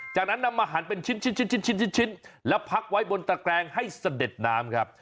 จากนั้นนำมาหันเป็นชิ้นแล้วพักไว้บนตระแกรงให้เสด็จน้ำครับ